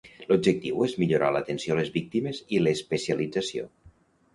L'objectiu és millorar l'atenció a les víctimes i l'especialització.